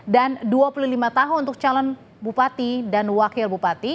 dan dua puluh lima tahun untuk calon bupati dan wakil bupati